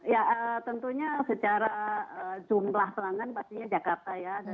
ya tentunya secara jumlah pelanggan pastinya jakarta ya